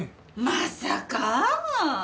まさか！